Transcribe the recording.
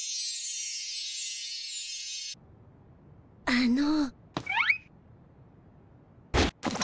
あの。